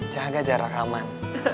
jaga jarak aman